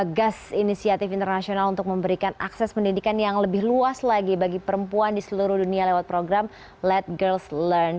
tugas inisiatif internasional untuk memberikan akses pendidikan yang lebih luas lagi bagi perempuan di seluruh dunia lewat program let girls learn